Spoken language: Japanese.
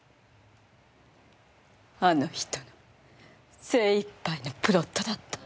あの人の精いっぱいのプロットだった。